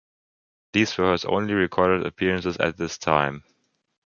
These were his only recorded appearances at this time.